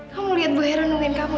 kamu lihat buah heranungan kamu